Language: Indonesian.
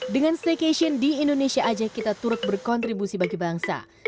dengan staycation di indonesia aja kita turut berkontribusi bagi bangsa